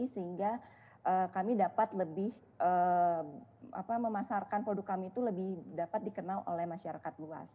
sehingga kami dapat lebih memasarkan produk kami itu lebih dapat dikenal oleh masyarakat luas